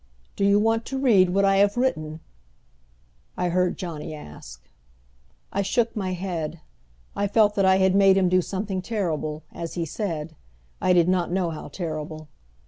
"Do you want to read what I have written?" I heard Johnny ask. I shook my head. I felt that I had made him do something terrible, as he said, I did not know how terrible.